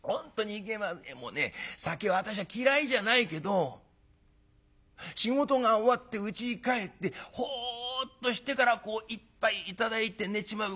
もうね酒は私は嫌いじゃないけど仕事が終わってうちに帰ってほっとしてからこう一杯頂いて寝ちまう。